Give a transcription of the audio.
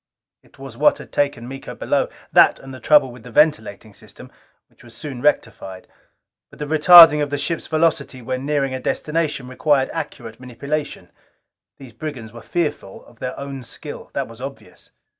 It was what had taken Miko below, that and trouble with the ventilating system, which was soon rectified. But the retarding of the ship's velocity when nearing a destination required accurate manipulation. These brigands were fearful of their own skill. That was obvious.